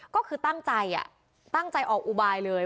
ก็คือตั้งใจตั้งใจออกอุบายเลย